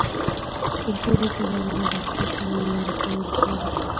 کلتوري تبادله د زده کړې له لارې پیاوړې کیږي.